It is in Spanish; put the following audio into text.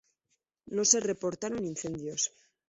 No se reportaron incendios.